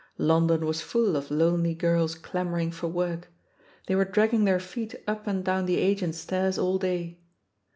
London was full of lonely girls clamoiu*ing for work — ^they were dragging their feet up and down the agents' stairs all day.